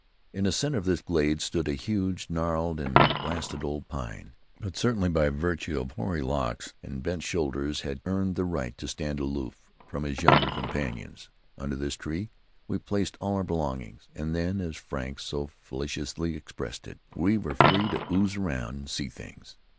In the center of this glade stood a huge gnarled and blasted old pine, that certainly by virtue of hoary locks and bent shoulders had earned the right to stand aloof from his younger companions. Under this tree we placed all our belongings, and then, as Frank so felicitously expressed it, we were free to "ooze round an' see things."